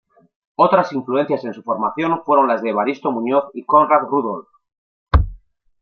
Otras influencias en su formación fueron las de Evaristo Muñoz y Konrad Rudolf.